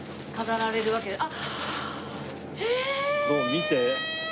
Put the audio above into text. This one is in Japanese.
見て。